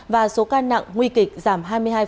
và số ca nặng nguy kịch giảm hai mươi hai